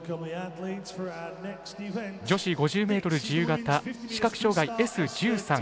女子５０ｍ自由形視覚障がいＳ１３。